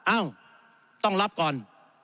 เอ้าต้องรับก่อน